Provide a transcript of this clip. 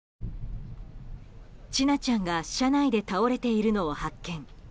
千奈ちゃんが車内で倒れているのを発見。